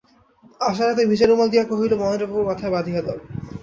আশার হাতে ভিজা রুমাল দিয়া কহিল, মহেন্দ্রবাবুর মাথায় বাঁধিয়া দাও।